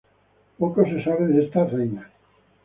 Poco se sabe de esta reina.